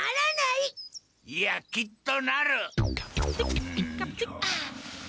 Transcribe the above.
いやきっとなる！